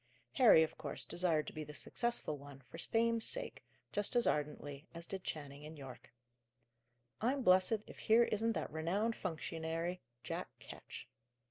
Harry, of course, desired to be the successful one, for fame's sake, just as ardently as did Channing and Yorke. "I'm blessed if here isn't that renowned functionary, Jack Ketch!"